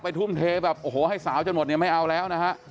ทุ่มเทแบบโอ้โหให้สาวจนหมดเนี่ยไม่เอาแล้วนะฮะ